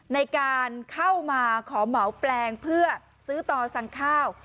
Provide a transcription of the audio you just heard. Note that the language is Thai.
ในการเข้ามาขอเหมาแปลงเพื่อซื้อต่อสั่งข้าว